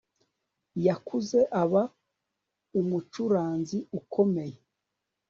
Yakuze aba umucuranzi ukomeye